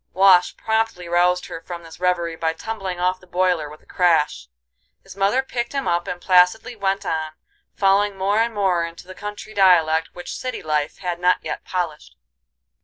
Wash promptly roused her from this reverie by tumbling off the boiler with a crash. His mother picked him up and placidly went on, falling more and more into the country dialect which city life had not yet polished.